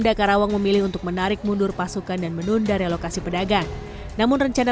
dakarawang memilih untuk menarik mundur pasukan dan menunda relokasi pedagang namun rencana